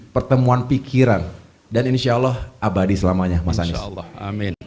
pertemuan pikiran dan insya allah abadi selamanya mas anies